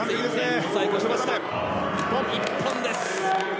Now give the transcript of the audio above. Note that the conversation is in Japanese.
一本です。